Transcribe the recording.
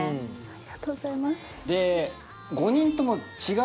ありがとうございます。